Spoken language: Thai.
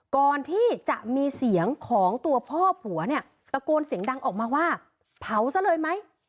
ก่อนที่จะมีเสียงของตัวพ่อผัวเนี่ยตะโกนเสียงดังออกมาว่าเผาซะเลยไหม